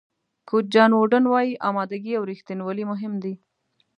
کوچ جان ووډن وایي آمادګي او رښتینولي مهم دي.